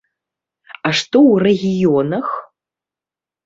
А што ў рэгіёнах?